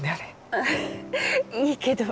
あいいけど。